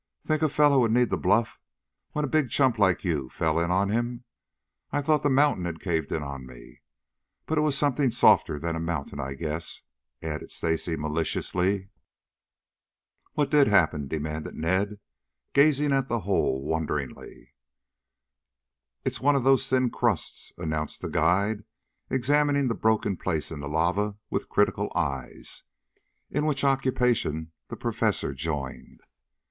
Think a fellow would need to bluff when a big chump like you fell in on him? I thought the mountain had caved in on me, but it was something softer than a mountain, I guess," added Stacy maliciously. "What did happen?" demanded Ned, gazing at the hole wonderingly. "It's one of those thin crusts," announced the guide, examining the broken place in the lava with critical eyes, in which occupation the Professor joined.